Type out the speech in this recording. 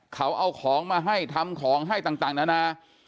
เขาเอาของมาให้ทำของให้ต่างนานา